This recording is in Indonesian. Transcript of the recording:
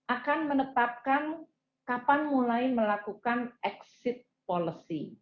akan menetapkan kapan mulai melakukan exit policy